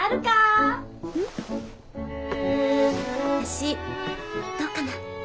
私どうかな？